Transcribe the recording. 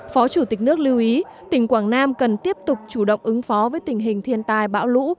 phó chủ tịch nước lưu ý tỉnh quảng nam cần tiếp tục chủ động ứng phó với tình hình thiên tai bão lũ